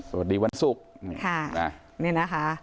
สวัสดีวันศุกร์